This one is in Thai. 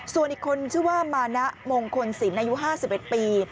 ส่วนอีกคนชื่อว่ามานะมงคลศิลป์อายุ๕๑ปี